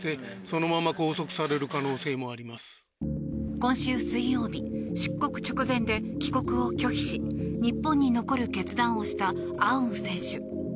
今週水曜日出国直前で帰国を拒否し日本に残る決断をしたアウン選手。